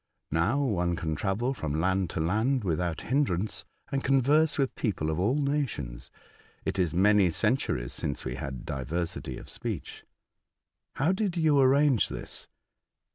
Now, one can travel from land to land without hindrance, and converse with people of all nations. It is many centuries since we had diversity of speech.'* " How did you arrange this?"